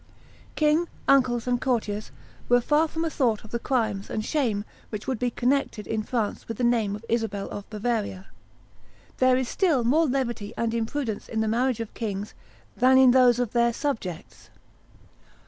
King, uncles, and courtiers were far from a thought of the crimes and shame which would be connected in France with the name of Isabel of Bavaria. There is still more levity and imprudence in the marriages of kings than in those of their subjects.